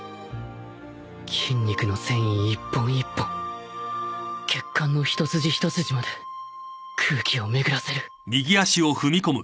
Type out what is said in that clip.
筋肉の繊維一本一本血管の一筋一筋まで空気を巡らせる